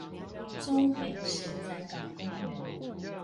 洲美蜆仔港公園